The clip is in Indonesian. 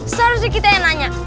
seharusnya kita yang nanya